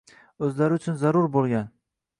O‘zlari uchun zarur bo‘lgan.